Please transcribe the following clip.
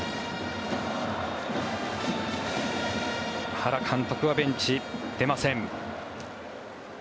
原監督はベンチ出ません。